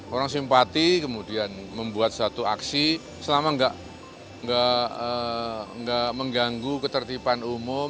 orang simpati kemudian membuat satu aksi selama nggak mengganggu ketertiban umum